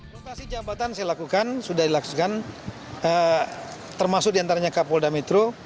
lokasi jabatan saya lakukan sudah dilaksanakan termasuk diantaranya kapolda metro